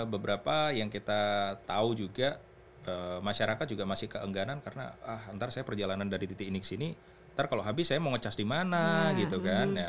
beberapa yang kita tahu juga masyarakat juga masih keengganan karena ah ntar saya perjalanan dari titik ini ke sini ntar kalau habis saya mau ngecas di mana gitu kan